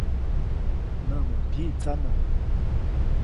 Näʼmuŋ pyiʼtsanä.